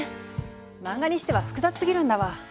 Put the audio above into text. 漫画にしては複雑すぎるんだわ。